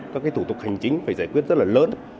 các thủ tục hành chính phải giải quyết rất là lớn